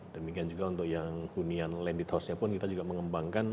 demikian juga untuk yang hunian landed house nya pun kita juga mengembangkan